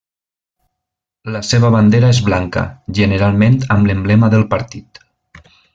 La seva bandera és blanca, generalment amb l'emblema del partit.